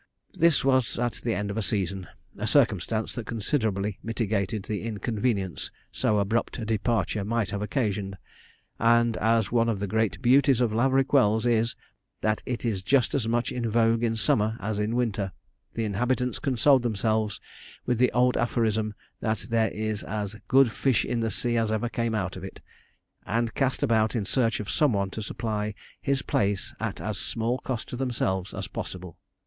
This was at the end of a season, a circumstance that considerably mitigated the inconvenience so abrupt a departure might have occasioned, and as one of the great beauties of Laverick Wells is, that it is just as much in vogue in summer as in winter, the inhabitants consoled themselves with the old aphorism, that there is as 'good fish in the sea as ever came out of it,' and cast about in search of some one to supply his place at as small cost to themselves as possible.